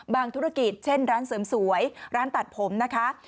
ธุรกิจเช่นร้านเสริมสวยร้านตัดผมนะคะ